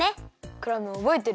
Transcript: クラムおぼえてる？